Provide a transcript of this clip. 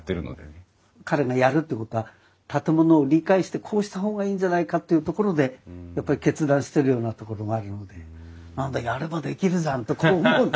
彼がやるってことは建物を理解してこうした方がいいんじゃないかっていうところでやっぱり決断してるようなところがあるので何だやればできるじゃんとか思うんだけど。